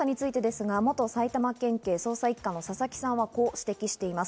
そして今後の捜査について元埼玉県警捜査一課の佐々木さんはこう指摘しています。